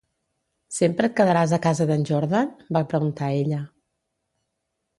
"Sempre et quedaràs a casa de"n Jordan?", va preguntar ella.